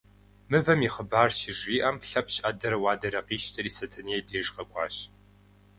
Мывэм и хъыбар щыжриӏэм, Лъэпщ ӏэдэрэ уадэрэ къищтэри Сэтэней деж къэкӏуащ.